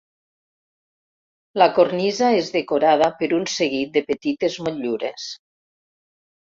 La cornisa és decorada per un seguit de petites motllures.